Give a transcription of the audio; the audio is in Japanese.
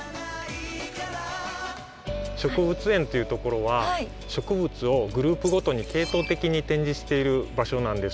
植物園っていうところは植物をグループごとに系統的に展示している場所なんです。